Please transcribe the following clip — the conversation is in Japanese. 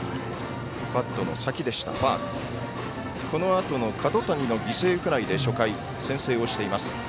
このあとの角谷の犠牲フライで初回、先制をしています。